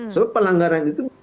soal pelanggaran itu